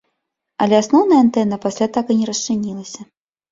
Але асноўная антэна пасля так і не расчынілася.